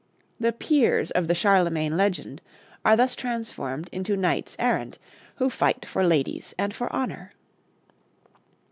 The "peers" of the Charlemagne legend are thus transformed into knights errant, who fight for ladies and for honor.